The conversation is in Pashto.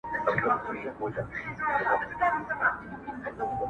ستا انګور انګور کتو مست و مدهوش کړم,